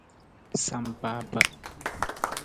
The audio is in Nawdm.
Sampaapa.